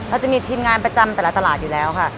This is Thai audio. จะมีทีมงานประจำแต่ละตลาดอยู่แล้วค่ะ